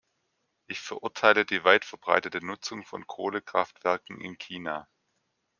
Ich verurteile die weit verbreitete Nutzung von Kohlekraftwerken in China.